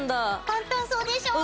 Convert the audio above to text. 簡単そうでしょ？